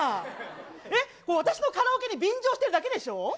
えっ、私のカラオケに便乗してるだけでしょ。